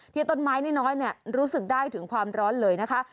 ที่ต้นไม้น้อยรู้สึกได้ถึงความร้อนเลยนะคะ